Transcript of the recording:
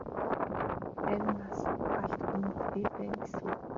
Амь нас галт бөмбөгөн дээр байна гэсэн үг.